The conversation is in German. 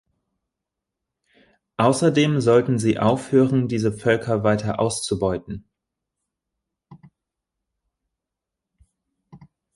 Außerdem sollten sie aufhören, diese Völker weiter auszubeuten.